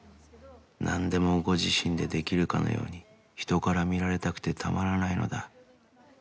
何でもご自身でできるかのように人から見られたくてたまらないのだ。